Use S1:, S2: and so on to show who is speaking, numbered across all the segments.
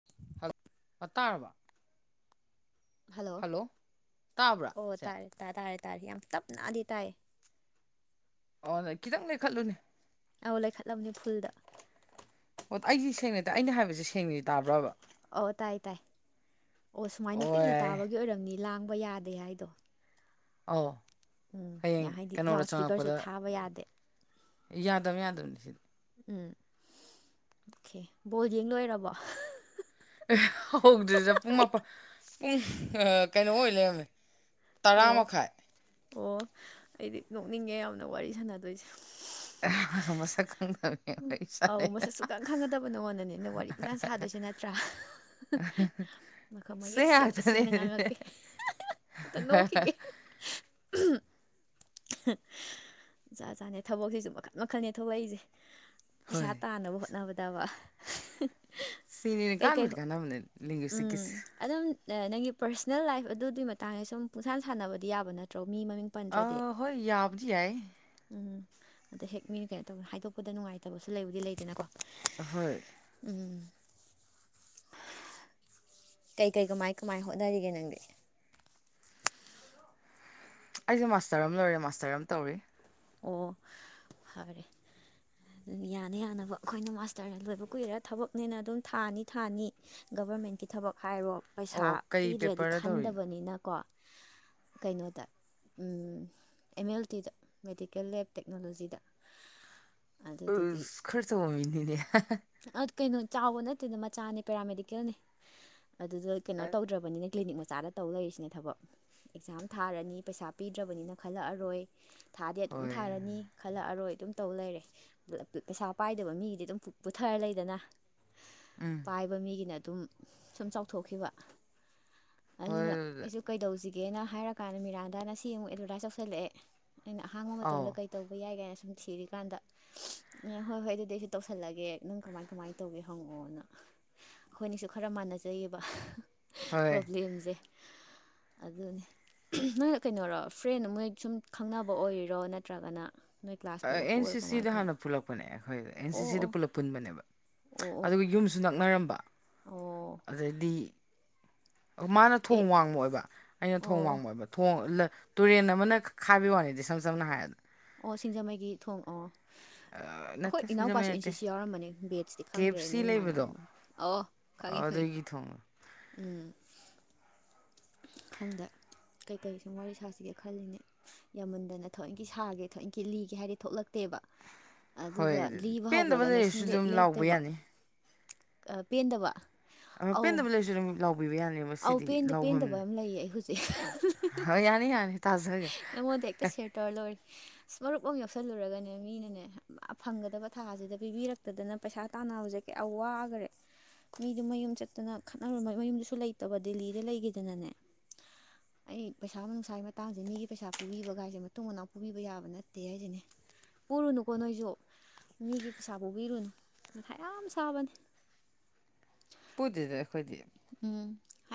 S1: [unintelligible]
S2: ꯑ ꯇꯥꯔꯕꯣ
S1: ꯍꯜꯂꯣ
S2: ꯇꯥꯕ꯭ꯔꯥ
S1: ꯑꯣ
S2: ꯁꯦ
S1: ꯇꯥꯔꯦ ꯇꯥ ꯇꯥꯔꯦ ꯇꯥꯔꯦ ꯌꯥꯝ ꯇꯞꯅꯗꯤ ꯇꯥꯏꯌꯦ
S2: ꯑꯣ ꯑꯗꯩ ꯈꯤꯇꯪ ꯂꯩꯈꯠꯂꯨꯅꯦ
S1: ꯑꯧ ꯂꯩꯈꯠꯂꯕꯅꯦ ꯐꯨꯜꯗ
S2: ꯑꯣ ꯑꯩꯗꯤ ꯁꯦꯡꯅꯗꯤ ꯑꯩꯅ ꯍꯥꯏꯕꯁꯦ ꯁꯦꯡꯅꯗꯤ ꯇꯥꯕ꯭ꯔꯥꯕ
S1: ꯑꯣ ꯇꯥꯏ ꯇꯥꯏ ꯑꯣ ꯁꯨꯃꯥꯏꯅ ꯄꯤꯛꯅ ꯇꯥꯕꯒꯤ ꯑꯣꯏꯔꯝꯅꯤ ꯂꯥꯡꯕ ꯌꯥꯗꯦ ꯍꯥꯏꯗꯣ
S2: ꯑꯧ
S1: ꯎꯝ
S2: ꯍꯌꯦꯡ
S1: ꯌꯥ ꯍꯥꯏꯗꯤ
S2: ꯀꯩꯅꯣꯗ
S1: ꯂꯥꯎꯠ ꯏꯁꯄꯤꯀꯔꯁꯨ ꯊꯥꯕ ꯌꯥꯗꯦ
S2: ꯑꯦ ꯌꯥꯗꯝꯅꯦ ꯌꯥꯗꯝꯅꯤ ꯁꯤꯗꯤ
S1: ꯎꯝ ꯑꯣꯀꯦ ꯕꯣꯜ ꯌꯦꯡ ꯂꯣꯏꯔꯕꯣ
S2: ꯑꯦ ꯍꯧꯗ꯭ꯔꯤꯗ ꯄꯨꯡ ꯃꯥꯄꯟ ꯄꯨꯡ ꯑ ꯀꯩꯅꯣ ꯑꯣꯏ ꯂꯩꯔꯝꯃꯦ ꯇꯔꯥ
S1: ꯑꯣ
S2: ꯃꯈꯥꯏ
S1: ꯑꯣ ꯑꯩꯗꯤ ꯅꯣꯛꯅꯤꯡꯉꯦ ꯌꯥꯝꯅ ꯋꯥꯔꯤ ꯁꯥꯟꯅꯗꯣꯏꯁꯦ
S2: ꯃꯁꯛ ꯈꯪ ꯡꯇꯕ ꯃꯤ ꯋꯔꯤ ꯁꯟꯅꯩ
S1: ꯄꯨꯁꯥꯟ ꯁꯥꯗꯣꯏꯁꯦ ꯅꯠꯇ꯭ꯔꯥ ꯃꯈꯥ
S2: ꯁꯤ
S1: ꯃꯌꯦꯛ ꯁꯦꯡꯅ
S2: ꯉꯥꯛꯇꯅꯦ
S1: ꯁꯦꯡꯅ ꯉꯥꯡꯉꯛꯀꯦ ꯑꯝꯇ ꯅꯣꯛꯈꯤꯒꯦ ꯖꯥ ꯖꯥꯠꯅꯦ ꯊꯕꯛꯁꯤꯁꯨ ꯃꯈꯟ ꯃꯈꯟꯅꯦ ꯊꯣꯛꯂꯛꯏꯖꯦ
S2: ꯍꯣꯏ
S1: ꯄꯩꯁꯥ ꯇꯥꯟꯅꯕ ꯍꯣꯠ ꯅꯕꯗꯕ
S2: ꯁꯤꯅꯤꯅꯦ ꯀꯥꯟꯕꯨꯗꯤ ꯀꯥꯟꯅꯕꯅꯦ ꯅꯤꯡꯒꯤ ꯁꯤꯛꯒꯤꯁ
S1: ꯎꯝ ꯑꯗꯨꯝ ꯅꯪꯒꯤ ꯄꯔꯁꯅꯦꯜ ꯂꯥꯏꯐ ꯑꯗꯨꯗꯤ ꯃꯇꯥꯡꯗ ꯁꯨꯝ ꯄꯨꯁꯥꯟ ꯁꯥꯟꯅꯕꯗꯤ ꯌꯥꯕ ꯅꯠꯇ꯭ꯔꯣ ꯃꯤ ꯃꯃꯤꯡ
S2: ꯑ
S1: ꯄꯟꯗ꯭ꯔꯗꯤ
S2: ꯍꯣꯏ ꯌꯥꯕꯨꯗꯤ ꯌꯥꯏ
S1: ꯎꯝ ꯑꯗ ꯍꯦꯛ ꯃꯤꯅ ꯀꯩꯅꯣ ꯇꯧꯕ ꯍꯥꯏꯗꯣꯛꯄꯗ ꯅꯨꯡꯉꯥꯏꯇꯕꯁꯨ ꯂꯩꯕꯨꯗꯤ ꯂꯩꯗꯅꯀꯣ
S2: ꯑꯍꯣꯏ
S1: ꯎꯝ ꯀꯩ ꯀꯩ ꯀꯃꯥꯏ ꯀꯃꯥꯏꯟ ꯍꯣꯠꯅꯔꯤꯒꯦ ꯅꯪꯗꯤ
S2: ꯑꯩꯖꯦ ꯃꯥꯁꯇꯔ ꯑꯃ ꯂꯣꯏꯔꯦ ꯃꯥꯁꯇꯔ ꯑꯃ ꯇꯧꯔꯤ
S1: ꯑꯣ ꯐꯔꯦ ꯌꯥꯅ ꯌꯥꯅꯕ ꯑꯈꯣꯏꯅ ꯃꯥꯁꯇꯔꯅ ꯂꯣꯏꯕ ꯀꯨꯏꯔ ꯊꯕꯛꯅꯦꯅ ꯑꯗꯨꯝ ꯊꯥꯅꯤ ꯊꯥꯅꯤ ꯒꯚꯔꯃꯦꯟꯀꯤ ꯊꯕꯛ ꯍꯥꯏꯔꯣ ꯄꯩꯁꯥ
S2: ꯑꯣ ꯀꯩ
S1: ꯄꯤꯗ꯭ꯔꯗꯤ
S2: ꯄꯦꯄꯔꯗ ꯇꯧꯔꯤꯅꯣ
S1: ꯈꯟꯗꯕꯅꯤꯅꯀꯣ ꯀꯩꯅꯣꯗ ꯎꯝ ꯑꯦꯝ ꯑꯦꯜ ꯇꯤꯗ ꯃꯦꯗꯤꯀꯦꯜ ꯂꯦꯞ ꯇꯦꯛꯅꯣꯂꯣꯖꯤꯗ ꯑꯗꯨꯇꯨꯀꯤ
S2: ꯑꯁ ꯈꯔ ꯇꯧꯕꯃꯤꯅꯤꯅꯦ
S1: ꯑ ꯀꯩꯅꯣ ꯆꯥꯎꯕ ꯅꯠꯇꯦꯗ ꯃꯆꯥꯅꯦ ꯄꯦꯔꯥꯃꯦꯗꯤꯀꯦꯜꯅꯦ ꯑꯗꯨꯗ ꯀꯩꯅꯣ ꯇꯧꯗ꯭ꯔꯕꯅꯤꯅꯦ ꯀ꯭ꯂꯤꯅꯤꯛ ꯃꯆꯥꯗ ꯇꯧ ꯂꯩꯔꯤꯁꯤꯅꯦ ꯊꯕꯛ ꯑꯦꯛꯖꯥꯝ ꯊꯥꯔꯅꯤ ꯄꯩꯁꯥ ꯄꯤꯗ꯭ꯔꯕꯅꯤꯅ ꯈꯜꯂꯛꯑꯔꯣꯏ ꯊꯥꯗꯤ ꯑꯗꯨꯝ
S2: ꯍꯣꯏ
S1: ꯊꯥꯔꯅꯤ ꯈꯜꯂꯛꯑꯔꯣꯏ ꯗꯨꯝ ꯇꯧ ꯂꯩꯔꯦ ꯄꯩꯁꯥ ꯄꯥꯏꯗꯕ ꯃꯤꯒꯤꯗꯤ ꯑꯗꯨꯝ ꯄꯨꯊꯔ ꯂꯩꯗꯅ
S2: ꯎꯝ
S1: ꯄꯥꯏꯕ ꯃꯤꯒꯤꯅ ꯑꯗꯨꯝ ꯁꯨꯝ ꯆꯥꯎꯊꯣꯛꯈꯤꯕ
S2: ꯍꯣꯏ
S1: ꯑꯗꯨꯅ ꯑꯩꯁꯨ ꯀꯩꯗꯧꯁꯤꯒꯦꯅ ꯍꯥꯏꯔꯀꯥꯟꯗ ꯃꯤꯔꯥꯗ ꯉꯁꯤ ꯑꯃꯨꯛ ꯑꯦꯗꯚꯔꯗꯥꯥꯏꯁ ꯇꯧꯁꯜꯂꯦꯛꯑꯦ ꯑꯩꯅ ꯑꯍꯥꯡꯕ ꯃꯇꯝꯗ
S2: ꯑꯥꯎ
S1: ꯀꯩ ꯇꯧꯕ ꯌꯥꯏ ꯀꯥꯏꯅ ꯁꯨꯝ ꯊꯤꯔꯤꯀꯥꯟꯗ ꯉꯦ ꯍꯣꯏ ꯍꯣꯏ ꯑꯗꯨꯗꯤ ꯑꯩꯖꯨ ꯇꯧꯁꯜꯂꯒꯦ ꯅꯪ ꯀꯃꯥꯏꯟ ꯀꯃꯥꯏꯟ ꯇꯧꯒꯦ ꯍꯪꯉꯛꯑꯣꯅ ꯑꯈꯣꯏꯅꯤꯁꯨ ꯈꯔ ꯃꯥꯟꯅꯖꯩꯌꯦꯕ
S2: ꯍꯣꯏ
S1: ꯄ꯭ꯔꯣꯕ꯭ꯂꯦꯝꯖꯦ ꯑꯗꯨꯅꯤ ꯅꯪꯅ ꯀꯩꯅꯣꯔꯣ ꯐ꯭ꯔꯦꯟ ꯃꯣꯏ ꯁꯨꯝ ꯈꯪꯅꯕ ꯑꯣꯏꯔꯤꯔꯣ ꯅꯠꯇ꯭ꯔꯒꯅ ꯅꯣꯏ ꯀ꯭ꯂꯥꯁ
S2: ꯑ
S1: ꯄꯨꯜꯂꯛꯄ
S2: ꯑꯦꯟ
S1: ꯑꯣꯏꯔꯣ
S2: ꯁꯤ
S1: ꯀꯃꯥꯏꯅ
S2: ꯁꯤꯗ ꯍꯥꯟꯅ
S1: ꯇꯧꯔꯤꯅꯣ
S2: ꯄꯨꯜꯂꯛ ꯄꯅꯦ ꯑꯩꯈꯣꯏ ꯑꯦꯟ ꯁꯤꯁꯤꯗ
S1: ꯑꯣ
S2: ꯄꯨꯂꯞ ꯄꯨꯟꯕꯅꯦꯕ
S1: ꯑꯣ ꯑꯣ
S2: ꯑꯗꯨꯒ ꯌꯨꯝꯁꯨ ꯅꯛꯅꯔꯝꯕ
S1: ꯑꯣ ꯑꯣ
S2: ꯑꯗꯩꯗꯤ ꯃꯥꯅ
S1: ꯑꯦ
S2: ꯊꯣꯡ ꯋꯥꯡꯃ ꯑꯣꯏꯕ ꯑꯩꯅ ꯊꯣꯡ
S1: ꯑꯣ
S2: ꯋꯥꯡꯃ ꯑꯣꯏꯕ ꯊꯣꯡ ꯇꯨꯔꯦꯟ ꯑꯃꯅ ꯈꯥꯏꯕꯩ ꯋꯥꯅꯤꯗꯤ ꯏꯁꯝ ꯁꯝꯅ ꯍꯥꯏꯔꯗ
S1: ꯑꯣ ꯁꯤꯡꯖꯃꯩꯒꯤ ꯊꯣꯡ ꯑꯣ ꯑꯈꯣꯏ
S2: ꯅꯠꯇꯦ
S1: ꯏꯅꯥꯎꯄꯥꯁꯨ
S2: ꯁꯤꯡꯖꯃꯩ
S1: ꯑꯦꯟ ꯁꯤ
S2: ꯅꯠꯇꯦ
S1: ꯁꯤ ꯌꯥꯎꯔꯝꯕꯅꯦ ꯕꯦꯠꯁꯤꯇꯤ ꯈꯪꯗ꯭ꯔꯦ ꯅꯣꯏ ꯃꯥꯟꯅꯔꯃꯔꯣ ꯑꯣ ꯈꯪꯉꯤ ꯈꯪꯉꯤ
S2: ꯑꯗꯒꯤ ꯊꯣꯡꯕ
S1: ꯎꯝ
S2: [inaudible]
S1: ꯈꯪꯗ ꯀꯩꯀꯩ ꯁꯨꯝ ꯋꯥꯔꯤ ꯁꯥꯁꯤꯒꯦ ꯈꯜꯂꯤꯅꯦ ꯌꯥꯝꯃꯟꯗꯅ ꯊꯋꯣꯏꯟꯀꯤ ꯁꯥꯒꯦ ꯊꯋꯣꯏꯟꯀꯤ ꯂꯤꯒꯦ ꯍꯥꯏꯔꯗꯤ ꯊꯣꯛꯂꯛꯇꯦꯕ
S2: ꯍꯣꯏ
S1: ꯑꯗꯨꯒ ꯂꯤꯕ
S2: ꯄꯦꯟꯗꯕ
S1: ꯍꯧꯈ꯭ꯔꯒꯅ
S2: ꯂꯩꯔꯁꯨ
S1: ꯁꯨꯡꯂꯦꯞ
S2: ꯑꯗꯨꯝ ꯂꯥꯎꯕ
S1: ꯂꯦꯞꯇꯦꯕ
S2: ꯌꯥꯅꯤ
S1: ꯑ ꯄꯦꯟꯗꯕ
S2: ꯑ
S1: ꯑꯧ
S2: ꯄꯦꯟꯗꯕ ꯂꯩꯥꯏꯔꯁꯨ ꯑꯗꯨꯝ ꯂꯥꯎꯕꯤꯕ ꯌꯥꯅꯦꯕ
S1: ꯑꯧ
S2: ꯃꯥꯁꯤꯗꯤ
S1: ꯄꯦꯟꯗ
S2: ꯂꯥꯎꯐꯝ
S1: ꯄꯦꯟꯗꯕ ꯑꯃ ꯂꯩꯌꯦ ꯑꯩ ꯍꯧꯖꯤꯛ
S2: ꯍꯣꯏ ꯌꯥꯅꯤ ꯌꯥꯅꯤ ꯇꯥꯖꯒꯦ
S1: ꯅꯉꯣꯟꯗ ꯍꯦꯛꯇ ꯁꯤꯌꯥꯔ ꯇꯧꯔ ꯂꯣꯏꯔꯦ ꯃꯔꯨꯞ ꯑꯃ ꯌꯥꯎꯁꯜꯂꯨꯔꯒꯅꯦ ꯃꯤꯅꯅꯦ ꯐꯪꯒꯗꯕ ꯊꯥꯁꯤꯗ ꯄꯤꯕꯤꯔꯛ ꯑꯗꯨꯗꯅ ꯄꯩꯁꯥ ꯇꯥꯟꯅꯕꯁꯦ ꯀꯩꯌꯥ ꯋꯥꯈꯔꯦ ꯃꯤꯗꯨ ꯃꯌꯨꯝ ꯆꯠꯇꯅ ꯈꯠꯅꯔꯨ ꯃꯌꯨꯝꯗꯁꯨ ꯂꯩꯇꯕ ꯗꯦꯜꯂꯤꯗ ꯂꯩꯈꯤꯗꯅꯅꯦ ꯑꯩ ꯄꯩꯁꯥ ꯅꯨꯡꯁꯥꯏ ꯃꯥ ꯇꯥꯡꯁꯦ ꯃꯤꯒꯤ ꯄꯩꯁꯥ ꯄꯨꯕꯤꯕꯒꯥꯏꯁꯦ ꯃꯇꯨꯡ ꯃꯅꯥꯎ ꯄꯨꯕꯤꯕ ꯌꯥꯕ ꯅꯠꯇꯦ ꯍꯥꯏꯁꯤꯅꯦ ꯄꯨꯔꯨꯅꯨꯀꯣ ꯅꯣꯏꯁꯨ ꯃꯤꯒꯤ ꯄꯩꯁꯥ ꯄꯨꯕꯤꯔꯨꯅꯨ ꯃꯊꯥ ꯌꯥꯝ ꯁꯥꯕꯅꯤ
S2: ꯄꯨꯗꯦꯗ ꯑꯩꯈꯣꯏꯗꯤ
S1: ꯎꯝ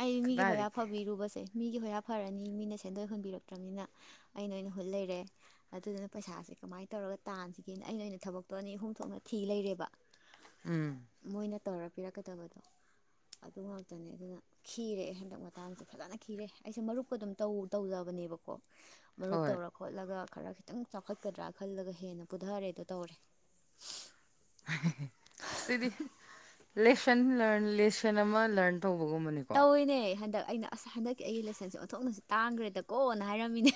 S1: ꯑꯩꯗꯤ ꯃꯤꯒꯤ ꯍꯣꯌꯥ
S2: ꯀꯗꯥꯏꯗꯒꯤ
S1: ꯐꯕꯤꯔꯨꯕꯁꯦ ꯃꯤꯒꯤ ꯍꯣꯌꯥ ꯐꯔꯅꯤ ꯃꯤꯅ ꯁꯦꯟꯗꯣꯏ ꯍꯨꯟꯕꯤꯔꯛꯇ꯭ꯔꯃꯤꯅ ꯑꯩꯩꯅꯥ ꯑꯣꯏꯅ ꯍꯨꯟ ꯂꯩꯔꯦ ꯑꯗꯨꯗꯨꯅ ꯄꯩꯁꯥꯁꯦ ꯀꯃꯥꯏꯅ ꯇꯧꯔꯒ ꯇꯥꯟꯁꯤꯒꯦꯅ ꯑꯩꯅ ꯑꯣꯏꯅ ꯊꯕꯛꯇꯣ ꯑꯅꯤ ꯑꯍꯨꯝ ꯊꯣꯛꯅ ꯊꯤ ꯂꯩꯔꯦꯕ
S2: ꯎꯝ
S1: ꯃꯣꯏꯅ ꯇꯧꯔ ꯄꯤꯔꯛꯀꯗꯕꯗꯣ ꯑꯗꯨ ꯉꯥꯛꯇꯅꯦ ꯑꯗꯨꯅ ꯈꯤꯔꯦ ꯍꯟꯗꯛ ꯃꯇꯥꯡꯁꯦ ꯐꯖꯅ ꯈꯤꯔꯦ ꯑꯩꯁꯦ ꯃꯔꯨꯞꯀ ꯑꯗꯨꯝ ꯇꯧ ꯇꯧꯖꯕꯅꯦꯕꯀꯣ ꯃꯔꯨꯞ
S2: ꯍꯣꯏ
S1: ꯇꯧꯔ ꯈꯣꯠꯂꯒ ꯈꯔ ꯈꯤꯇꯪ ꯆꯥꯎꯈꯠꯀꯗ꯭ꯔꯥ ꯈꯜꯂꯒ ꯍꯦꯟꯅ ꯄꯨꯊꯔꯦꯗꯣ ꯇꯧꯔꯦ
S2: ꯁꯤꯗꯤ ꯂꯦꯁꯟ ꯂꯔꯟ ꯂꯦꯁꯟ ꯑꯃ ꯂꯔꯟ ꯇꯧꯕꯒꯨꯝꯕꯅꯦꯕ
S1: ꯇꯧꯔꯤꯅꯦ ꯍꯟꯗꯛ ꯑꯩꯅ ꯑꯁ ꯍꯟꯗꯛꯀꯤ ꯑꯩꯒꯤ ꯂꯦꯁꯟꯁꯦ ꯑꯣꯟꯊꯣꯛꯅꯁꯨ ꯇꯥꯡꯈ꯭ꯔꯦꯗꯀꯣꯅ ꯍꯥꯏꯔꯝꯃꯤꯅꯦ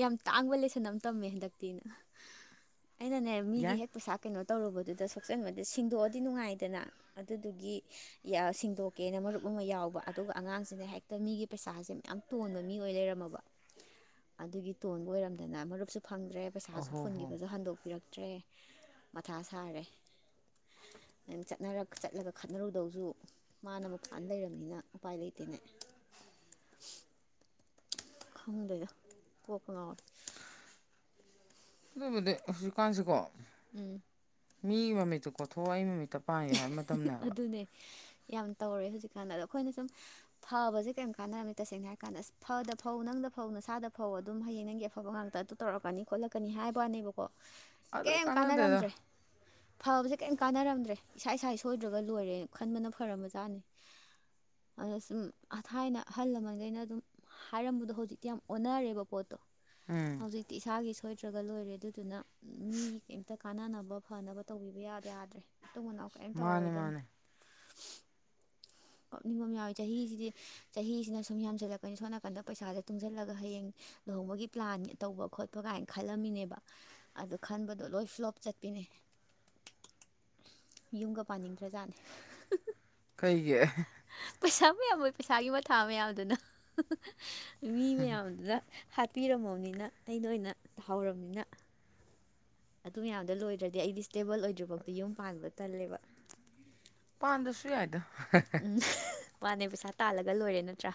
S1: ꯌꯥꯝ ꯇꯥꯡꯕ ꯂꯦꯁꯟ ꯑꯃ ꯇꯝꯃꯦ ꯍꯟꯗꯛꯇꯤ ꯑꯩꯅꯅꯦ ꯃꯤꯒꯤ
S2: ꯌꯥꯏ
S1: ꯍꯦꯛ ꯄꯩꯁꯥ ꯀꯩꯅꯣ ꯇꯧꯔꯨꯕꯗꯨꯗ ꯁꯣꯛꯆꯟꯕꯗꯨ ꯁꯦꯡꯗꯣꯛꯑꯗꯤ ꯅꯨꯡꯉꯥꯏꯗꯅ ꯑꯗꯨꯗꯨꯒꯤ ꯌꯥ ꯁꯤꯡꯗꯣꯛ ꯀꯦꯅ ꯃꯔꯨꯞ ꯑꯃ ꯌꯥꯎꯕ ꯑꯗꯨꯒ ꯑꯉꯥꯡꯁꯤꯅ ꯍꯦꯛꯇ ꯃꯤꯒꯤ ꯄꯩꯁꯥꯁꯦ ꯌꯥꯝ ꯇꯣꯟꯕ ꯃꯤ ꯑꯣꯏ ꯂꯩꯔꯝꯃꯕ ꯑꯗꯨꯒꯤ ꯇꯣꯟꯕ ꯑꯣꯏꯔꯝꯗꯅ ꯃꯔꯨꯞꯁꯨ ꯐꯪꯗ꯭ꯔꯦ ꯄꯩꯁꯥꯁꯨ
S2: ꯑꯍꯣ ꯍꯣ
S1: ꯐꯨꯟꯈꯤꯕꯁꯨ ꯍꯟꯗꯣꯛꯄꯤꯔꯛ ꯇ꯭ꯔꯦ ꯃꯊꯥ ꯁꯥꯔꯦ ꯑ ꯆꯠꯅꯔꯥ ꯆꯠꯂꯒ ꯈꯠꯅꯔꯨꯗꯧꯁꯨ ꯃꯥꯅ ꯃꯄꯥꯟ ꯂꯩꯔꯝꯅꯤꯅ ꯎꯄꯥꯏ ꯂꯩꯇꯦꯅꯦ ꯈꯪꯗꯦꯗ ꯀꯣꯛꯀꯥ ꯉꯥꯎꯋꯦ
S2: ꯑꯗꯨꯕꯨꯗꯤ ꯍꯧꯖꯤꯛ ꯀꯥꯟꯁꯤꯀꯣ
S1: ꯎꯝ
S2: ꯃꯤ ꯃꯃꯤꯠꯇꯣ ꯀꯣꯊꯣꯛꯑꯣ ꯑꯩ ꯃꯃꯤꯠꯇꯣ
S1: ꯑꯗꯨꯅꯦ ꯌꯥꯝ ꯇꯧꯔꯦ ꯍꯧꯖꯤꯛꯀꯥꯟꯗ ꯑꯗ ꯑꯩꯈꯣꯏꯅ ꯁꯨꯝ ꯐꯕꯁꯦ ꯀꯩꯝ ꯀꯥꯟꯅꯔꯝꯗꯔ꯭ꯦ ꯇꯁꯦꯡꯅ ꯍꯥꯏꯔ ꯀꯥꯟꯗ ꯐꯗ ꯐꯧ ꯅꯪꯗ ꯐꯧ ꯅꯁꯥꯗ ꯐꯧ ꯑꯗꯨꯝ ꯍꯌꯦꯡ ꯅꯪꯒꯤ ꯑꯐꯕ ꯉꯥꯛꯇ ꯑꯗꯨꯝ ꯇꯧꯔꯛꯀꯅꯤ ꯈꯣꯠꯂꯛꯀꯅꯤ ꯍꯥꯏꯕ ꯋꯥꯅꯦꯕꯀꯣ
S2: [inaudible]
S1: ꯀꯩꯝ
S2: ꯀꯥꯟꯅꯗꯦꯗ
S1: ꯀꯥꯟꯅꯔꯝꯗ꯭ꯔꯦ ꯐꯕꯁꯦ ꯀꯩꯝ ꯀꯥꯟꯅꯔꯝꯗ꯭ꯔꯦ ꯏꯁꯥ ꯏꯁꯥꯒꯤ ꯁꯣꯏꯗ꯭ꯔꯒ ꯂꯣꯏꯔꯦ ꯈꯟꯕꯅ ꯐꯔꯝꯕꯖꯥꯠꯅꯤ ꯑꯗ ꯁꯨꯝ ꯊꯥꯏꯅ ꯑꯍꯜ ꯂꯃꯟꯈꯩꯅ ꯑꯗꯨꯝ ꯍꯥꯏꯔꯝꯕꯗꯣ ꯍꯧꯖꯤꯛꯇꯤ ꯌꯥꯝ ꯑꯣꯟꯅꯔꯦꯕ ꯄꯣꯠꯇꯣ
S2: ꯎꯝ
S1: ꯍꯧꯖꯤꯛꯇꯤ ꯏꯁꯥꯒꯤ ꯁꯣꯏꯗ꯭ꯔꯒ ꯂꯣꯏꯔꯦ ꯑꯗꯨꯗꯨꯅ ꯃꯤꯒꯤ ꯀꯩꯝꯇ ꯀꯥꯟꯅꯅꯕ ꯐꯅꯕ ꯇꯧꯕꯤꯕ ꯌꯥꯗ ꯌꯥꯗ꯭ꯔꯦ ꯃꯇꯨꯡ ꯃꯅꯥꯎ ꯀꯔꯩꯝ
S2: ꯃꯥꯅꯦ
S1: ꯇꯧꯔꯔꯣꯏꯗꯝꯅꯤ
S2: ꯃꯥꯅꯦ
S1: ꯀꯞꯅꯤꯡꯕ ꯑꯃ ꯌꯥꯎꯋꯦ ꯆꯍꯤꯁꯤꯗꯤ ꯆꯍꯤꯁꯤꯅ ꯁꯨꯝ ꯌꯥꯝꯁꯤꯜꯂꯛꯀꯅꯤ ꯁꯣꯝ ꯅꯥꯀꯟꯗ ꯄꯩꯁꯥꯁꯦ ꯇꯨꯡꯁꯤꯜꯂꯒ ꯍꯌꯦꯡ ꯂꯨꯍꯣꯡꯕꯒꯤ ꯄ꯭ꯂꯥꯟ ꯇꯧꯕ ꯈꯣꯠꯄ ꯀꯥꯏꯅ ꯈꯜꯂꯝꯃꯤꯅꯦꯕ ꯑꯗꯨ ꯈꯟꯕꯗꯣ ꯂꯣꯏ ꯐ꯭ꯂꯣꯞ ꯆꯠꯄꯤꯅꯦ ꯌꯨꯝꯒ ꯄꯥꯟꯅꯤꯡꯗ꯭ꯔ ꯖꯥꯠꯅꯦ
S2: ꯀꯩꯒꯤ
S1: ꯄꯩꯁꯥ ꯃꯌꯥꯝ ꯄꯩꯁꯥꯒꯤ ꯃꯊꯥ ꯃꯌꯥꯝꯗꯨꯅ ꯃꯤ ꯃꯌꯥꯝꯗꯨꯅ ꯍꯥꯠꯄꯤꯔꯝꯃꯕꯅꯤꯅ ꯑꯩꯅ ꯑꯣꯏꯅ ꯇꯥꯍꯧꯔꯝꯅꯤꯅ ꯑꯗꯨ ꯃꯌꯥꯝꯗꯣ ꯂꯣꯏꯗ꯭ꯔꯗꯤ ꯑꯩꯗꯤ ꯁ꯭ꯇꯦꯕꯜ ꯑꯣꯏꯗ꯭ꯔꯤꯐꯥꯎꯗꯤ ꯌꯨꯝ ꯄꯥꯟꯕ ꯇꯜꯂꯦꯕ
S2: ꯄꯥꯟꯗ꯭ꯔꯁꯨ ꯌꯥꯏꯗ
S1: ꯎꯝ ꯃꯥꯅꯦ ꯄꯩꯁꯥ ꯇꯥꯜꯂꯒ ꯂꯣꯏꯔꯦ ꯅꯠꯇ꯭ꯔꯥ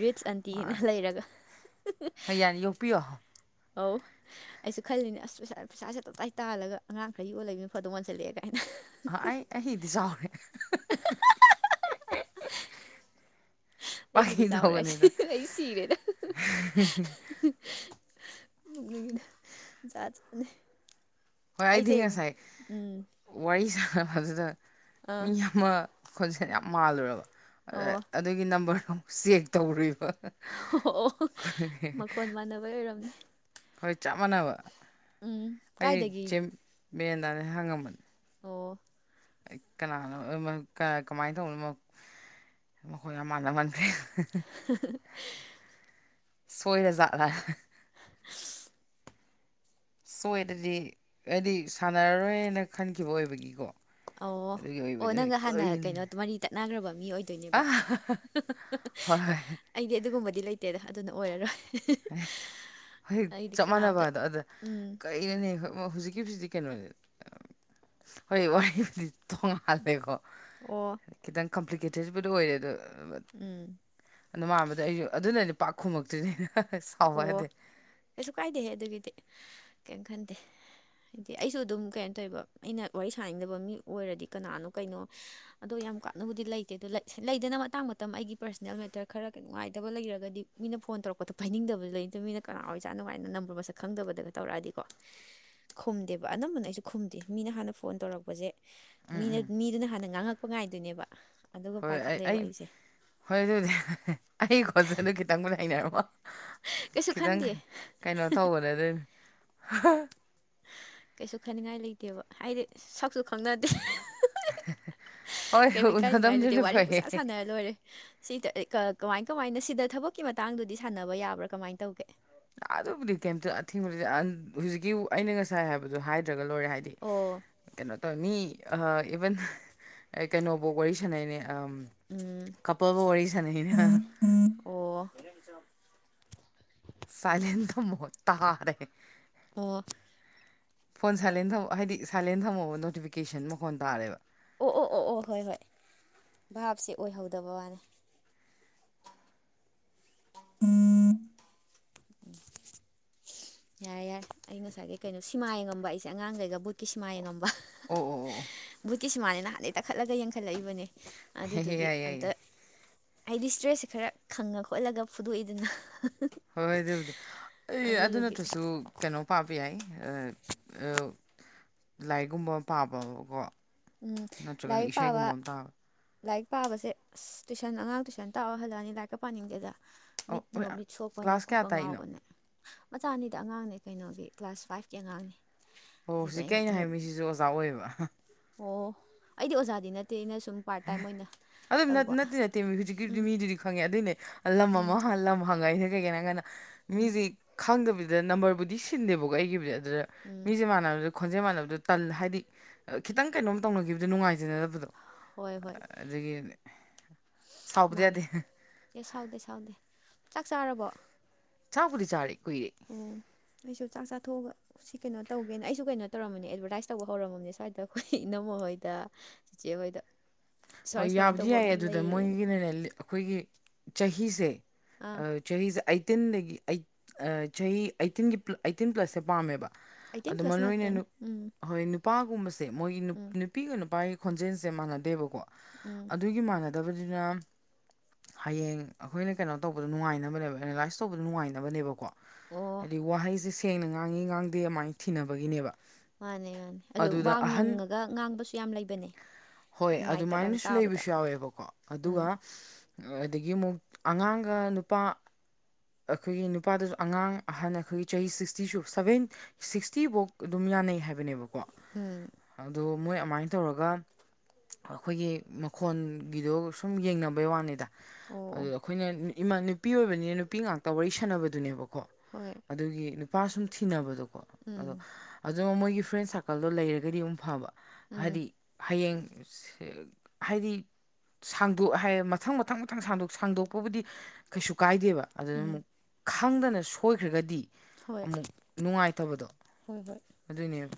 S1: ꯔꯤꯠꯁ ꯑꯟꯇꯤꯅ
S2: ꯃꯥꯅꯦ
S1: ꯂꯩꯔꯒ
S2: ꯍꯣꯏ ꯌꯥꯅꯤ ꯌꯣꯛꯄꯤꯌꯣ
S1: ꯑꯧ ꯑꯩꯁꯨ ꯈꯜꯂꯤꯅꯦ ꯑꯁ ꯄꯩꯁꯥ ꯄꯩꯁꯥꯁꯦ ꯇꯞꯇꯥꯏ ꯇꯥꯜꯂꯒ ꯑꯉꯥꯡ ꯈꯔ ꯌꯣꯛꯑꯒ ꯂꯩꯕꯅ ꯐꯗꯧ ꯃꯟꯁꯤꯜꯂꯛꯑꯦ ꯀꯥꯏꯅ
S2: ꯑ ꯑꯩ ꯑꯩꯒꯤꯗꯤ ꯆꯥꯎꯔꯦ
S1: ꯑꯩꯒꯤꯗꯤ
S2: ꯐꯥꯒꯤ
S1: ꯆꯥꯎꯔꯦ
S2: ꯇꯧꯕꯅꯤꯗ
S1: ꯁꯤꯅꯤ ꯑꯩ ꯁꯤꯔꯦꯗ ꯅꯣꯛꯅꯤꯡꯉꯤꯗ ꯖꯥꯠꯖꯥꯠꯅꯦ
S2: ꯍꯣꯏ ꯑꯩꯗꯤ ꯉꯁꯥꯏ
S1: ꯎꯝ
S2: ꯋꯥꯔꯤ ꯁꯥꯟꯅꯕꯗꯨꯗ
S1: ꯑꯥ
S2: ꯃꯤ ꯑꯃ ꯈꯣꯟꯖꯦꯜ ꯌꯥꯝ ꯃꯥꯜꯂꯨꯔꯕ
S1: ꯑꯣ
S2: ꯑꯗꯨꯒꯤ ꯅꯝꯕꯔ ꯑꯃꯨꯛ ꯆꯦꯛ ꯇꯧꯔꯨꯏꯕ
S1: ꯑꯣ ꯃꯈꯣꯟ ꯃꯥꯟꯅꯕꯩ ꯑꯣꯏꯔꯝꯅꯤ
S2: ꯍꯣꯏ ꯆꯞ ꯃꯥꯟꯅꯕ
S1: ꯎꯝ
S2: ꯑꯩ
S1: ꯀꯥꯏꯗꯒꯤ
S2: ꯆꯦ ꯃꯦꯟꯗꯥ ꯔ ꯍꯪꯉꯝꯕꯅꯦ
S1: ꯑꯣ
S2: [unintelligible] ꯀꯃꯥꯏꯅ ꯇꯧꯕꯅꯣ ꯃꯈꯣꯏ ꯌꯥꯝ ꯃꯥꯟꯅꯃꯟ
S1: [unintelligible]
S2: ꯁꯣꯏꯔ ꯖꯥꯠꯂ
S1: [inaudible]
S2: ꯁꯣꯏꯗꯗꯤ ꯍꯥꯏꯗꯤ ꯁꯥꯟꯅꯔꯔꯣꯏꯅ ꯈꯟꯈꯤꯕ ꯑꯣꯏꯕꯒꯤꯀꯣ
S1: ꯑꯣ
S2: ꯑꯗꯨꯒꯤ
S1: ꯑꯣ
S2: ꯑꯣꯏꯕꯗ
S1: ꯅꯪꯒ ꯍꯥꯟꯅ
S2: ꯀꯔꯤꯅꯦ
S1: ꯀꯩꯅꯣ ꯃꯔꯤ ꯇꯠꯅꯈ꯭ꯔꯕ ꯃꯤ ꯑꯣꯏ
S2: ꯑ
S1: ꯗꯨꯣꯏꯅꯦꯕ
S2: ꯍꯣꯏ ꯍꯣꯏ
S1: ꯑꯩꯗꯤ ꯑꯗꯨꯒꯨꯝꯕꯗꯤ ꯂꯩꯇꯦꯗ ꯑꯗꯨꯅ ꯑꯣꯏꯔꯔꯣꯏ
S2: ꯑꯦ ꯍꯣꯏ
S1: ꯑꯩꯗꯤ
S2: ꯆꯞ
S1: ꯀꯅꯥꯝꯇ
S2: ꯃꯥꯟꯅꯕꯗꯣ ꯑꯗ
S1: ꯎꯝ
S2: ꯀꯩꯅꯣꯅꯦ ꯍꯧꯖꯤꯛꯀꯤ ꯖꯤꯕꯨꯗꯤ ꯀꯩꯅꯣꯅꯦ ꯍꯣꯏ ꯋꯥꯔꯤꯕꯨꯗꯤ ꯇꯣꯡꯉꯥꯜꯂꯦꯀꯣ
S1: ꯑꯣ
S2: ꯈꯤꯇꯪ ꯀꯝꯄ꯭ꯂꯤꯀꯦꯇꯦꯠꯕꯨꯗꯤ ꯑꯣꯏꯔꯦ ꯑꯗꯣ
S1: ꯎꯝ
S2: ꯑꯗꯨ ꯃꯥꯟꯕꯗ ꯑꯩꯁꯨ ꯑꯗꯨꯅꯅꯦ ꯄꯥꯛ ꯈꯨꯝꯃꯛꯇ꯭ꯔꯤ ꯁꯥꯎꯕ
S1: ꯑꯣ
S2: ꯌꯥꯗꯦ
S1: ꯀꯩꯁꯨ ꯀꯥꯏꯗꯦꯍꯦ ꯑꯗꯨꯒꯤꯗꯤ ꯀꯩꯝ ꯈꯟꯗꯦ ꯍꯥꯏꯗꯤ ꯑꯩꯁꯨ ꯑꯗꯨꯝ ꯀꯩꯅꯣ ꯇꯧꯋꯦꯕ ꯑꯩꯅ ꯋꯥꯔꯤ ꯁꯥꯟꯅꯅꯤꯡꯗꯕ ꯃꯤ ꯑꯣꯏꯔꯗꯤ ꯀꯅꯥꯅꯣ ꯀꯩꯅꯣ ꯑꯗꯣ ꯌꯥꯝ ꯀꯥꯟꯅꯕꯨꯗꯤ ꯂꯩꯇꯦ ꯑꯗꯣ ꯂꯩꯗꯅ ꯃꯇꯥꯡ ꯃꯇꯝ ꯑꯩꯒꯤ ꯄꯔꯁꯅꯦꯜ ꯃꯦꯇꯔ ꯈꯔ ꯅꯨꯡꯉꯥꯏꯇꯕ ꯂꯩꯔꯒꯗꯤ ꯃꯤꯅ ꯐꯣꯟ ꯇꯧꯔꯛꯄꯗ ꯄꯥꯏꯅꯤꯡꯗꯕꯁꯨ ꯂꯩ ꯗꯨ ꯃꯤꯅ ꯀꯅꯥ ꯑꯣꯏꯖꯥꯠꯅꯣ ꯀꯥꯏꯅ ꯅꯝꯕꯔ ꯃꯁꯛ ꯈꯪꯗꯕꯗꯒ ꯇꯧꯔꯛꯑꯗꯤꯀꯣ ꯈꯨꯝꯗꯦꯕ ꯑꯅꯝꯕꯅ ꯑꯩꯁꯨ ꯈꯨꯝꯗꯦ ꯃꯤꯅ ꯍꯥꯟꯅ ꯐꯣꯟ ꯇꯧꯔꯛꯄꯖꯦ ꯃꯤꯅ ꯃꯤꯗꯨꯅ ꯍꯥꯟꯅ ꯉꯥꯡꯉꯛꯄ ꯉꯥꯏꯗꯣꯏꯅꯦꯕ ꯑꯗꯨꯒ
S2: ꯍꯣꯏ ꯑꯩ
S1: ꯄꯥꯏꯈꯠꯂꯦꯕ
S2: ꯑꯩ
S1: ꯑꯩꯁꯦ
S2: ꯍꯣꯏ ꯑꯗꯨꯅꯦ ꯑꯩ ꯈꯣꯖꯦꯜꯗꯨ ꯈꯤꯇꯪꯕꯨꯗꯤ ꯍꯩꯅꯔꯝꯃꯣ
S1: ꯀꯩꯁꯨ
S2: ꯈꯤꯇꯪ
S1: ꯈꯟꯗꯦ
S2: ꯀꯩꯅꯣ ꯇꯧꯕꯅꯦ ꯑꯗꯨꯏꯅꯦ
S1: ꯀꯩꯁꯨ ꯈꯟꯅꯤꯡꯉꯥꯏ ꯂꯩꯇꯦꯕ ꯍꯥꯏꯗꯤ ꯁꯛꯁꯨ ꯈꯪꯅꯗꯦ
S2: ꯍꯣꯏ
S1: ꯀꯩꯝ ꯏꯀꯥꯏꯅꯤꯉꯥꯏ ꯂꯩꯇꯦ
S2: ꯎꯅꯗꯕꯗꯨꯅ
S1: ꯋꯥꯔꯤ
S2: ꯐꯩꯌꯦ
S1: ꯄꯪꯁꯥ ꯁꯥꯟꯅꯔ ꯂꯣꯏꯔꯦ ꯁꯤ ꯀꯃꯥꯏ ꯀꯃꯥꯏꯅ ꯁꯤꯗ ꯊꯕꯛꯀꯤ ꯃꯇꯥꯡꯗꯨꯗꯤ ꯁꯥꯟꯅꯕ ꯌꯥꯕ꯭ꯔꯥ ꯀꯃꯥꯏꯟ ꯇꯧꯒꯦ
S2: ꯑꯗꯨꯕꯨꯗꯤ ꯀꯩꯝꯇ ꯑꯊꯤꯡꯕꯗ [unintelligible] ꯍꯧꯖꯤꯛꯀꯤ ꯑꯩꯅ ꯉꯁꯥꯏ ꯍꯥꯏꯕꯗꯨ ꯍꯥꯏ ꯗ꯭ꯔꯒ ꯂꯣꯏꯔꯦ ꯍꯥꯏꯗꯤ
S1: ꯑꯣ
S2: ꯀꯩꯅꯣ ꯇꯧꯋꯦ ꯃꯤ ꯑ ꯏꯚꯟ ꯑꯩ ꯀꯩꯅꯣꯕꯨꯛ ꯋꯥꯔꯤ ꯁꯥꯟꯅꯩꯅꯦ ꯑꯝ
S1: ꯎꯝ꯫
S2: ꯀꯄꯜꯕꯨ ꯋꯥꯔꯤ ꯁꯥꯟꯅꯅꯦ
S1: ꯑꯣ
S2: ꯁꯥꯏꯂꯦꯟ ꯊꯝꯃꯣ ꯇꯥꯔꯦ꯫
S1: ꯑꯣ꯫
S2: ꯐꯣꯟ ꯁꯥꯏꯂꯦꯟ ꯊꯝ ꯍꯥꯏꯗꯤ ꯁꯥꯏꯂꯦꯟ ꯊꯝꯃꯣꯕ ꯅꯣꯇꯤꯐꯤꯀꯦꯁꯟ ꯃꯈꯣꯟ ꯇꯥꯔꯦꯕ꯫
S1: ꯑꯣ ꯑꯣ ꯑꯣ ꯑꯣ ꯍꯣꯏ ꯍꯣꯏ ꯚꯥꯞꯁꯦ ꯑꯣꯏꯍꯧꯗꯕ ꯋꯥꯅꯦ꯫ ꯎꯝ꯫ ꯌꯥꯔꯦ ꯌꯥꯔꯦ ꯑꯩ ꯉꯁꯥꯏꯒꯩ ꯀꯩꯅꯣ ꯁꯤꯃꯥ ꯌꯦꯡꯉꯝꯕ ꯑꯩꯁꯦ ꯑꯉꯥꯡꯒꯩꯒ ꯕꯨꯠꯀꯤ ꯁꯤꯃꯥ ꯌꯦꯡꯉꯝꯕ꯫
S2: ꯑꯣ ꯑꯣ ꯑꯣ꯫
S1: ꯕꯨꯠꯀꯤ ꯁꯨꯃꯥꯟꯅꯦ ꯅꯍꯥꯟꯗꯩ ꯇꯛꯈꯠꯂꯒ ꯌꯦꯡꯈꯠꯂꯛꯏꯕꯅꯦ
S2: ꯍꯦ ꯍꯦ
S1: ꯑꯗꯨꯗꯨꯒꯤ
S2: ꯌꯥꯏ ꯌꯥꯏ ꯌꯥꯏ
S1: ꯑꯝꯇ ꯍꯥꯏꯗꯤ ꯏꯁꯇ꯭ꯔꯦꯁꯁꯦ ꯈꯔ ꯈꯪꯉ ꯈꯣꯠꯂꯒ ꯐꯨꯗꯣꯛꯏꯗꯅ꯫
S2: ꯍꯣꯏ ꯑꯗꯨꯕꯨꯗꯤ ꯑꯩ ꯑꯗꯨ
S1: ꯑꯗꯨꯗꯨꯒꯤ
S2: ꯅꯠꯇ꯭ꯔꯁꯨ ꯀꯩꯅꯣ ꯄꯥꯕ ꯌꯥꯏ ꯑ ꯑ ꯂꯥꯏꯔꯤꯛꯒꯨꯝꯕ ꯑꯃ ꯄꯥꯕꯀꯣ
S1: ꯎꯝ
S2: ꯅꯠꯇ꯭ꯔꯒꯅ
S1: ꯂꯥꯏꯔꯤꯛ ꯄꯥꯕ
S2: ꯏꯁꯩꯒꯨꯝꯕ ꯑꯃ ꯇꯥꯕ
S1: ꯂꯥꯏꯔꯤꯛ ꯄꯥꯕꯁꯦ ꯑꯁ ꯇꯨꯏꯁꯟ ꯑꯉꯥꯡ ꯇꯨꯏꯁꯟ ꯇꯥꯔ ꯍꯜꯂꯛꯑꯅꯤ ꯂꯥꯏꯔꯤꯛꯀ ꯄꯥꯅꯤꯡꯗꯦꯗ꯫
S2: ꯑꯣ
S1: ꯃꯤꯠꯅ ꯃꯤꯠ ꯁꯣꯛꯄꯅꯦ
S2: ꯀ꯭ꯂꯥꯁ ꯀꯌꯥ
S1: ꯀꯣꯛꯀ
S2: ꯇꯥꯛꯏꯅꯣ
S1: ꯉꯥꯎꯕꯅꯦ꯫ ꯃꯆꯥꯅꯤꯗꯤ ꯑꯉꯥꯡꯅꯦ ꯀꯩꯅꯣꯒꯤ ꯀ꯭ꯂꯥꯁ ꯐꯥꯏꯚꯀꯤ ꯑꯉꯥꯡꯅꯦ꯫
S2: ꯑꯣ
S1: ꯑꯁꯤꯗ
S2: ꯍꯧꯖꯤꯛꯀꯤ ꯑꯩꯅ ꯍꯥꯏ
S1: ꯅꯤꯔꯝ
S2: ꯃꯤꯁꯤꯁꯨ ꯑꯣꯖꯥ ꯑꯣꯏꯌꯦꯕ꯫
S1: ꯑꯣ ꯑꯩꯗꯤ ꯑꯣꯖꯥꯗꯤ ꯅꯠꯇꯦ ꯑꯩꯅ ꯁꯨꯝ ꯄꯥꯔꯠ ꯇꯥꯏꯝ ꯑꯣꯏꯅ
S2: ꯑꯗꯨꯝ ꯅꯠꯇꯦ
S1: ꯇꯧꯕ
S2: ꯅꯠꯇꯦ ꯍꯧꯖꯤꯛꯀꯤꯗꯨꯗꯤ
S1: ꯎꯝ
S2: ꯃꯤꯗꯨꯗꯤ ꯈꯪꯉꯦ ꯑꯗꯨꯏꯅꯦ ꯂꯝ ꯑꯃ
S1: ꯎꯝ
S2: ꯍꯡ ꯂꯝ ꯍꯪꯉꯏꯁꯦ ꯀꯩꯒꯤꯅꯣ ꯍꯥꯏ ꯀꯥꯟꯗ
S1: ꯎꯝ
S2: ꯃꯤꯖꯤ ꯈꯪꯗꯕꯤꯗ ꯅꯝꯕꯔꯕꯨꯗꯤ ꯁꯤꯟꯗꯦꯕꯀꯣ ꯑꯩꯒꯤꯕꯨꯗꯤ ꯑꯗꯨꯗ
S1: ꯎꯝ
S2: ꯃꯤꯖꯦ ꯃꯥꯟꯅꯕꯗ ꯈꯣꯟꯖꯦꯜ ꯃꯥꯟꯅꯕꯗꯣ ꯇꯟ ꯍꯥꯏꯗꯤ ꯈꯤꯇꯪ ꯀꯩꯅꯣꯝ ꯇꯧꯅꯒꯤꯕꯗꯣ ꯅꯨꯡꯉꯥꯏꯖꯅꯗꯕꯗꯣ
S1: ꯍꯣꯏ ꯍꯣꯏ
S2: ꯑꯗꯨꯒꯤ ꯁꯥꯎꯕꯗꯤ
S1: ꯃꯥꯅꯦ
S2: ꯌꯥꯗꯦ꯫
S1: ꯑꯦ ꯁꯥꯎꯗꯦ ꯁꯥꯎꯗꯦ ꯆꯥꯛ ꯆꯥꯔꯕꯣ꯫
S2: ꯆꯥꯛꯄꯨꯗꯤ ꯆꯥꯔꯦ ꯀꯨꯏꯔꯦ꯫
S1: ꯎꯝ ꯑꯩꯁꯨ ꯆꯥꯛ ꯆꯥꯊꯣꯛꯑꯒ ꯁꯤ ꯀꯩꯅꯣ ꯇꯧꯒꯦꯅ ꯑꯩꯁꯨ ꯀꯩꯅꯣ ꯇꯧꯔꯝꯕꯅꯦ ꯑꯦꯗꯕꯔꯇꯥꯏꯁ ꯇꯧꯕ ꯍꯧꯔꯝꯃꯕꯅꯦ ꯁ꯭ꯋꯥꯏꯗ ꯑꯩꯈꯣꯏ ꯏꯅꯝꯃ ꯍꯣꯏꯗ꯫ ꯆꯦꯆꯦ ꯍꯣꯏꯗ꯫
S2: ꯍꯣꯏ ꯌꯥꯕꯨꯗꯤ ꯌꯥꯏꯌꯦ ꯑꯗꯨꯗ
S1: ꯎꯝ
S2: ꯃꯣꯏꯒꯤꯅꯅꯦ ꯑꯩꯈꯣꯏꯒꯤ ꯆꯍꯤꯁꯦ
S1: ꯑꯥ
S2: ꯑ ꯆꯍꯤꯁꯦ ꯑꯩꯇꯤꯟꯗꯒꯤ ꯑꯩ ꯆꯍꯤ ꯑꯩꯇꯤꯟꯒꯤ ꯑꯩꯇꯤꯟ ꯄ꯭ꯂꯁꯁꯦ ꯄꯥꯝꯃꯦꯕ꯫
S1: ꯑꯩꯠꯇꯤꯟ
S2: ꯑꯗꯣ
S1: ꯄ꯭ꯂꯁ
S2: ꯃꯔꯨ
S1: ꯉꯥꯛꯇꯅꯦ
S2: ꯑꯣꯏꯅ
S1: ꯎꯝ
S2: ꯍꯣꯏ ꯅꯨ ꯅꯨꯄꯥꯒꯨꯝꯕꯁꯦ ꯃꯣꯏꯒꯤ
S1: ꯎꯝ
S2: ꯅꯨꯄꯤꯒ ꯅꯨꯄꯥꯒꯤ ꯈꯣꯟꯖꯦꯟꯁꯦ ꯃꯥꯟꯅꯗꯦꯕꯀꯣ
S1: ꯎꯝ꯫
S2: ꯑꯗꯨꯒꯤ ꯃꯥꯟꯅꯗꯕꯅꯤꯅ ꯍꯌꯦꯡ ꯑꯩꯈꯣꯏꯅ ꯀꯩꯅꯣ ꯇꯧꯕꯗ ꯅꯨꯡꯉꯥꯏꯅꯕꯅꯦꯕ ꯑꯦꯅꯥꯂꯥꯏꯁ ꯇꯧꯕꯗ ꯅꯨꯡꯉꯥꯏꯅꯕꯅꯦꯕꯀꯣ
S1: ꯑꯣ
S2: ꯍꯥꯏꯗꯤ ꯋꯥꯍꯩꯖꯤ ꯁꯦꯡꯅ ꯉꯥꯡꯉꯤ ꯉꯥꯡꯗꯦ ꯑꯗꯨꯃꯥꯏꯅ ꯊꯤꯅꯕꯒꯤꯅꯦꯕ
S1: ꯃꯥꯅꯦ ꯃꯥꯅꯦ ꯑꯗꯨ ꯋꯥ
S2: ꯑꯗꯨꯗ ꯑꯍꯟ
S1: ꯉꯪꯉꯒ ꯉꯥꯡꯕꯁꯨ ꯌꯥꯝ ꯂꯩꯕꯅꯦ꯫
S2: ꯍꯣꯏ
S1: ꯅꯨꯡꯉꯥꯏꯇꯕ ꯌꯥꯝ
S2: ꯑꯗꯨꯃꯥꯏꯅꯁꯨ
S1: ꯇꯥꯕꯗ
S2: ꯂꯩꯕꯁꯨ ꯌꯥꯎꯋꯦꯕꯀꯣ ꯑꯗꯨꯒ
S1: ꯎꯝ
S2: ꯑꯗꯒꯤ ꯑꯃꯨꯛ ꯑꯉꯥꯡꯒ ꯅꯨꯄꯥ ꯑꯩꯈꯣꯏꯒꯤ ꯅꯨꯄꯥꯗꯁꯨ ꯑꯉꯥꯡ ꯑꯍꯟ ꯑꯩꯈꯣꯏꯒꯤ ꯆꯍꯤ ꯁꯤꯛꯁꯇꯤꯁꯨ ꯁꯕꯦꯟ ꯁꯤꯛꯁꯇꯤꯕꯧ ꯑꯗꯨꯝ ꯌꯥꯅꯩ ꯍꯥꯏꯕꯅꯦꯕꯀꯣ
S1: ꯎꯝ꯫
S2: ꯑꯗꯣ ꯃꯣꯏ ꯑꯃꯥꯏꯟꯅ ꯇꯧꯔꯒ꯫ ꯑꯈꯣꯏꯒꯤ ꯃꯈꯣꯟꯒꯤꯗꯣ ꯁꯨꯝ ꯌꯦꯡꯅꯕꯩ ꯋꯥꯅꯤꯗ꯫
S1: ꯑꯣ ꯑꯣ
S2: ꯑꯗꯨꯗ ꯑꯩꯈꯣꯏꯅ ꯏꯃ ꯅꯨꯄꯤ ꯑꯣꯏꯕꯅꯤꯅ ꯅꯨꯄꯤ ꯉꯥꯛꯇ ꯋꯥꯔꯤ ꯁꯥꯟꯅꯕꯗꯨꯅꯦꯕꯀꯣ꯫
S1: ꯍꯣꯏ
S2: ꯑꯗꯨꯒꯤ ꯅꯨꯄꯥ ꯁꯨꯝ ꯊꯤꯅꯕꯗꯣꯀꯣ ꯑꯗꯣ
S1: ꯎꯝ
S2: ꯑꯗꯣ ꯃꯣꯏꯒꯤ ꯐ꯭ꯔꯦꯟ ꯁꯥꯔꯀꯜꯗꯣ ꯂꯩꯔꯒꯗꯤ ꯑꯗꯃꯨꯛ ꯐꯕ
S1: ꯎꯝ
S2: ꯍꯥꯏꯗꯤ ꯍꯌꯦꯡ ꯑꯦ ꯍꯥꯏꯗꯤ ꯁꯥꯡꯗꯣꯛ ꯍꯥꯏ ꯃꯊꯪ ꯃꯊꯪ ꯃꯊꯪ ꯁꯥꯡꯗꯣꯛ ꯁꯥꯡꯗꯣꯛꯄꯕꯨꯗꯤ ꯀꯩꯁꯨ ꯀꯥꯏꯗꯦꯕ꯫ ꯑꯗꯨꯗ
S1: ꯎꯝ
S2: ꯑꯃꯨꯛ ꯈꯪꯗꯅ ꯁꯣꯏꯈ꯭ꯔꯒꯗꯤ
S1: ꯍꯣꯏ
S2: ꯑꯃꯨꯛ ꯅꯨꯡꯉꯥꯏꯇꯕꯗꯣ꯫
S1: ꯍꯣꯏ ꯍꯣꯏ
S2: ꯑꯗꯨꯅꯦ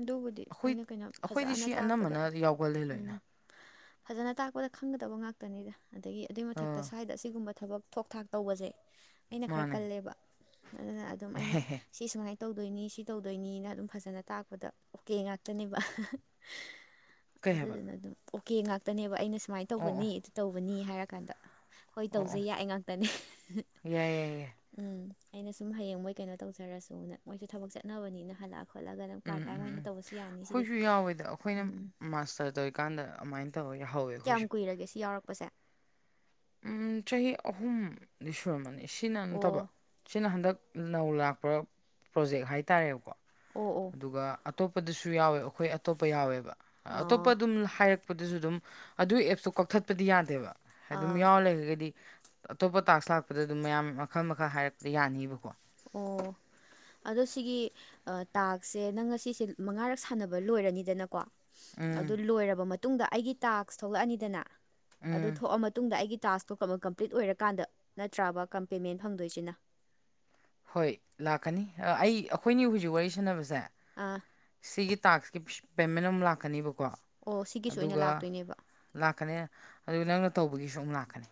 S1: ꯑꯗꯨꯕꯨꯗꯤ ꯑꯩꯅ ꯀꯩꯅꯣ
S2: ꯑꯩꯈꯣꯏꯗꯤ
S1: ꯐꯖꯥꯥꯅ
S2: ꯁꯤ
S1: ꯇꯥꯛꯄꯗ
S2: ꯑꯅꯝꯕꯅ ꯌꯥꯎꯒꯜꯂꯦ ꯂꯣꯏꯅ
S1: ꯎꯝ꯫ ꯐꯖꯅ ꯇꯥꯛꯄꯗ ꯈꯪꯒꯗꯕ ꯉꯥꯛꯇꯅꯤꯗ ꯑꯗꯒꯤ ꯑꯗꯨꯏ ꯃꯊꯛꯇ
S2: ꯑꯥ
S1: ꯁ꯭ꯋꯥꯏꯗ ꯑꯁꯤꯒꯨꯝꯕ ꯊꯕꯛ ꯊꯣꯛ ꯊꯥꯛ꯫ ꯇꯧꯕꯖꯦ ꯑꯩꯅ ꯈꯔ
S2: ꯃꯥꯅꯦ
S1: ꯀꯜꯂꯦꯕ ꯑꯗꯨꯅ ꯑꯗꯨꯝ ꯑꯩꯅ ꯁꯤ ꯁꯨꯃꯥꯏꯟ ꯇꯧꯗꯣꯏꯅꯤ ꯁꯤ ꯇꯧꯗꯣꯏꯅꯤꯅ ꯑꯗꯨꯝ ꯐꯖꯅ ꯇꯥꯛ ꯄꯗ ꯑꯣꯀꯦ ꯉꯥꯛꯇꯅꯦꯕ
S2: ꯀꯩ ꯍꯥꯏꯕ
S1: ꯑꯗꯨꯗꯨꯅ ꯑꯗꯨꯝ ꯑꯣꯀꯦ ꯉꯥꯛꯇꯅꯦꯕ ꯑꯩꯅ ꯁꯨꯃꯥꯏ
S2: ꯑꯣ ꯑꯣ
S1: ꯇꯧꯕꯅꯤ ꯑꯗꯨ ꯇꯧꯕꯅꯤ ꯍꯥꯏꯔ ꯀꯥꯟꯗ ꯍꯣꯏ
S2: ꯑꯣ
S1: ꯇꯧꯖꯦ
S2: ꯑꯣ
S1: ꯌꯥꯏ ꯉꯥꯛꯇꯅꯦ
S2: ꯌꯥꯏ ꯌꯥꯏ ꯌꯥꯏ
S1: ꯎꯝ ꯑꯩꯅ ꯁꯨꯝ ꯍꯌꯦꯡ ꯃꯣꯏ ꯀꯩꯅꯣ ꯇꯧꯖꯔꯁꯨꯅ ꯃꯣꯏꯁꯨ ꯊꯕꯛ ꯆꯠꯅꯕꯅꯤꯅ ꯍꯜꯂꯛꯑ ꯈꯣꯠꯂꯒ ꯅꯪ
S2: ꯎꯝ
S1: ꯄꯥꯔꯠ ꯇꯥꯏꯝ
S2: ꯎꯝ
S1: ꯑꯣꯏꯅ ꯇꯧꯕꯁꯨ ꯌꯥꯅꯤ ꯁꯤꯗꯤ
S2: ꯑꯩꯈꯣꯏꯁꯨ ꯌꯥꯎꯋꯦꯗ ꯑꯩꯈꯣꯏꯅ
S1: ꯎꯝ
S2: ꯃꯥꯁꯇꯔ ꯇꯧꯏꯀꯥꯟꯗ ꯑꯗꯨꯃꯥꯏꯟ ꯇꯧꯋ ꯌꯥꯍꯧꯋꯦ
S1: ꯀꯌꯥꯝ
S2: ꯑꯩꯈꯣꯏꯁꯨ꯫
S1: ꯀꯨꯏꯔꯒꯦ ꯁꯤ ꯌꯥꯎꯔꯛꯄꯁꯦ꯫
S2: ꯎꯝ ꯆꯍꯤ ꯑꯍꯨꯝꯗꯤ ꯁꯨꯔꯝꯃꯅꯤ ꯁꯤꯅ ꯅꯠꯇꯕ꯫
S1: ꯑꯣ
S2: ꯁꯤꯅ ꯍꯟꯗꯛ ꯅꯧ ꯂꯥꯛꯄ ꯄ꯭ꯔꯣꯖꯦꯛ ꯍꯥꯏꯇꯥꯔꯦꯕꯀꯣ꯫
S1: ꯑꯣ ꯑꯣ
S2: ꯑꯗꯨꯒ ꯑꯇꯣꯞꯄꯗꯁꯨ ꯌꯥꯎꯋꯦ ꯑꯩꯈꯣꯏ ꯑꯇꯣꯞꯄ ꯌꯥꯎꯋꯦꯕ ꯑꯇꯣꯞꯄ
S1: ꯑꯥ
S2: ꯑꯗꯨꯝ ꯍꯥꯏꯔꯛ ꯄꯗꯖꯨ ꯑꯗꯨꯝ ꯑꯗꯨ ꯑꯦꯞꯁꯇꯣ ꯀꯛꯊꯠꯄꯗꯤ ꯌꯥꯗꯦꯕ꯫ ꯑꯗꯨꯝ
S1: ꯑꯥ
S2: ꯌꯥꯎꯔ ꯂꯩꯔꯒꯗꯤ ꯑꯇꯣꯞꯄ ꯇꯥꯛꯁ ꯂꯥꯛꯄꯗ ꯑꯗꯨꯝ ꯃꯌꯥꯝ ꯃꯈꯜ ꯃꯈꯜ ꯍꯥꯏꯔꯛꯄ ꯌꯥꯅꯤꯕꯀꯣ꯫
S1: ꯑꯣ ꯑꯗꯣ ꯁꯤꯒꯤ ꯑ ꯇꯥꯛꯁꯁꯦ ꯅꯪ ꯉꯁꯤꯁꯦ ꯃꯉꯥꯔꯛ ꯁꯥꯟꯅꯕ ꯂꯣꯏꯔꯅꯤꯗꯅꯀꯣ꯫
S2: ꯎꯝ
S1: ꯑꯗꯨ ꯂꯣꯏꯔꯕ ꯃꯇꯨꯡꯗ ꯑꯩꯒꯤ ꯇꯥꯛꯁ ꯊꯣꯛꯂꯛꯑꯅꯤꯗꯅ꯫ ꯑꯗꯨ
S2: ꯎꯝ
S1: ꯊꯣꯛꯑ ꯃꯇꯨꯡꯗ ꯑꯩꯒꯤ ꯇꯥꯛꯁꯇꯣ ꯀꯝꯄ꯭ꯂꯤꯠ ꯑꯣꯏꯔꯀꯥꯟꯗ ꯅꯠꯇ꯭ꯔꯕ ꯀꯝ ꯄꯦꯃꯦꯟ ꯐꯪꯗꯣꯏꯁꯤꯅ꯫
S2: ꯍꯣꯏ ꯂꯥꯛꯀꯅꯤ ꯑꯑꯩ ꯑꯩꯈꯣꯏꯅꯤ ꯍꯨꯖꯤꯛ ꯋꯥꯔꯤ ꯁꯥꯟꯅꯕꯁꯦ
S1: ꯑꯥ
S2: ꯁꯤꯒꯤ ꯇꯥꯛꯁꯀꯤ ꯄꯦꯃꯦꯟ ꯑꯃ ꯂꯥꯛꯀꯅꯤꯕꯀꯣ
S1: ꯑꯣ ꯁꯤꯒꯤꯁꯨ ꯑꯣꯏꯅ
S2: ꯑꯗꯨꯒ
S1: ꯂꯥꯛꯇꯣꯏꯅꯦꯕ
S2: ꯂꯥꯛꯀꯅꯤ ꯑꯗꯨ ꯅꯪꯅ ꯇꯧꯕꯒꯤꯁꯨ ꯑꯃꯨꯛ ꯂꯥꯛꯀꯅꯤ꯫